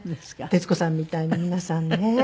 徹子さんみたいに皆さんね。